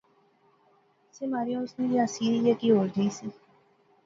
سے ماریاں اس نی یاثیر ایہہ کی ہور جئی سی